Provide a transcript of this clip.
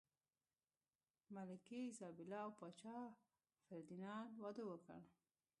ملکې ایزابلا او پاچا فردیناند واده وکړ.